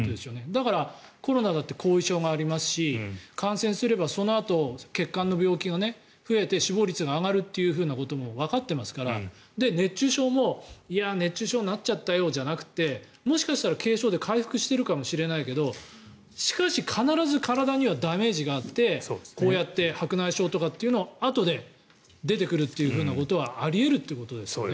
だから、コロナだって後遺症がありますし感染すればそのあと血管の病気が増えて死亡率が上がるということもわかってますから熱中症もいや、熱中症になっちゃったよじゃなくてもしかしたら軽症で回復しているかもしれないけどしかし、必ず体にはダメージがあってこうやって白内障というのとかあとで出てくるのはあり得るってことですよね。